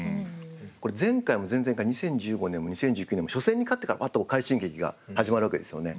これ前回も前々回２０１５年も２０１９年も初戦に勝ってから快進撃が始まるわけですよね。